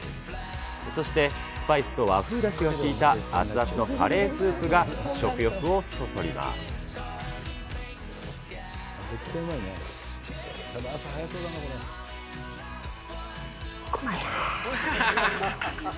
そして、スパイスと和風だしの効いた熱々のカレースープが食欲をうまいなぁ。